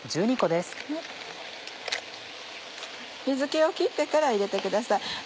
水気を切ってから入れてください。